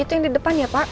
itu yang di depan ya pak